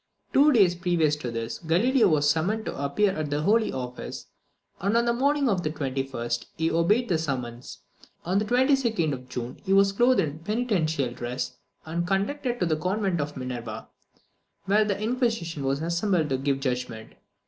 Two days previous to this, Galileo was summoned to appear at the holy office; and on the morning of the 21st, he obeyed the summons. On the 22d of June he was clothed in a penitential dress, and conducted to the convent of Minerva, where the Inquisition was assembled to give judgment.